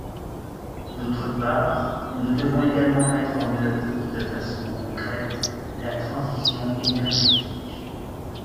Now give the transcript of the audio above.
D’autre part, nous devons également mettre en œuvre de façon concrète la transition énergétique.